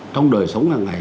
trong đời sống hàng ngày